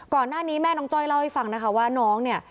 ก่อนหน้านี้แม่น้องจ้อยเล่าให้ฟังนะคะว่าน้องเนี่ย